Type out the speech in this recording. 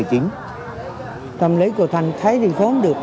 thâm lý của thanh thấy đi không được